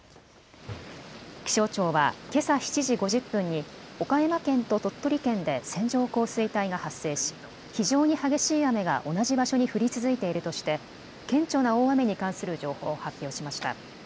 気象庁はけさ７時５０分に岡山県と鳥取県で線状降水帯が発生し非常に激しい雨が同じ場所に降り続いているとして顕著な大雨に関する情報を発表しました。